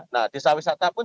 nah desa wisata pun